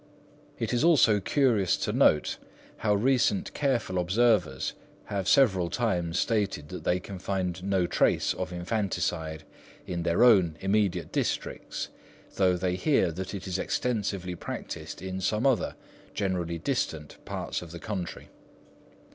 It is also curious to note how recent careful observers have several times stated that they can find no trace of infanticide in their own immediate districts, though they hear that it is extensively practised in some other, generally distant, parts of the country.